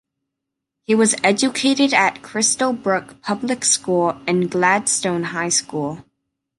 He was educated at Crystal Brook Public School and Gladstone High School.